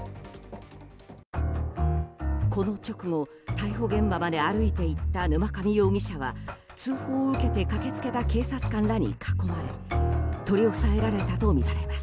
この直後、逮捕現場まで歩いていった沼上容疑者は通報を受けて駆けつけた警察官らに囲まれ取り押さえられたとみられます。